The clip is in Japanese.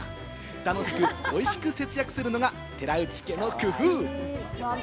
楽しく美味しく節約するのが寺内家の工夫。